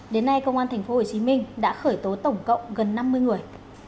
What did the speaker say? đến nay công an tp hcm đã khởi tố tổng cộng gần năm mươi người